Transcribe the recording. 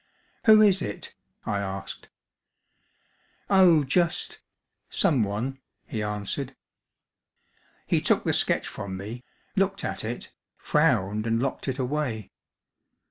"Who is it?" I asked. "Oh, just someone!" he answered. He took the sketch from me, looked at it, frowned and locked it away.